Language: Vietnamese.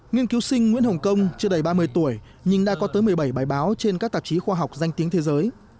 nghiên cứu sinh nguyễn hồng công chưa đầy ba mươi tuổi nhưng đã có tới một mươi bảy bài báo trên các tạp chí khoa học danh tiếng thế giới